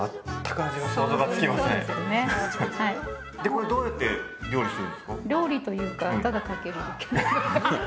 これどうやって料理するんですか？